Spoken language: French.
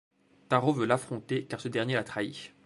Taro veut l'affronter car ce dernier l'a trahi.